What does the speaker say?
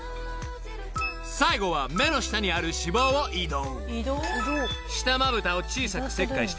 ［最後は目の下にある脂肪を移動］